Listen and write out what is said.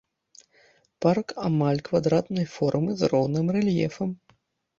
Парк амаль квадратнай формы з роўным рэльефам.